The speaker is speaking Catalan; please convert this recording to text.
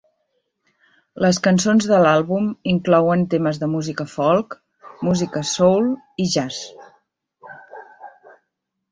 Les cançons de l'àlbum inclouen temes de música folk, música soul i jazz.